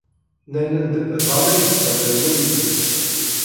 Nnan-d d Ann ay d tamalwayt-nsen.